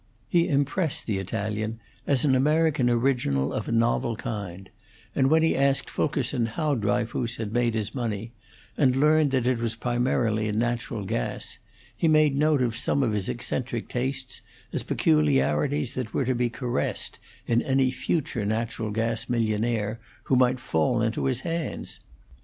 He impressed the Italian as an American original of a novel kind; and when he asked Fulkerson how Dryfoos had made his money, and learned that it was primarily in natural gas, he made note of some of his eccentric tastes as peculiarities that were to be caressed in any future natural gas millionaire who might fall into his hands.